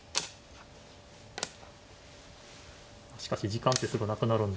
しかし時間ってすぐなくなるんで。